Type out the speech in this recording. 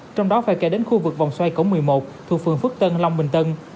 trong đó phải kể đến khu vực vòng xoay cổ một mươi một thuộc phường phước tân long bình tân